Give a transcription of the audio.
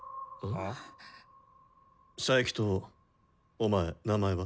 佐伯とお前名前は？